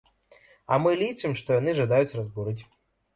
А мы лічым, што яны жадаюць разбурыць.